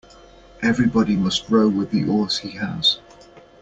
Everybody must row with the oars he has.